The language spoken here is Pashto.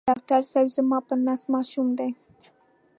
ډاکټر صېب زما په نس ماشوم دی